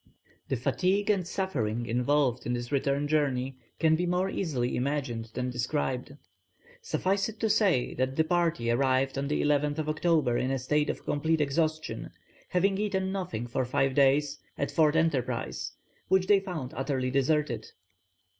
The fatigue and suffering involved in this return journey can be more easily imagined than described; suffice it to say that the party arrived on the 11th October in a state of complete exhaustion having eaten nothing for five days at Fort Enterprise, which they found utterly deserted.